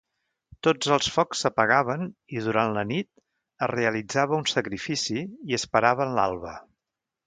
Tots els focs s'apagaven i durant la nit es realitzava un sacrifici, i esperaven l'alba.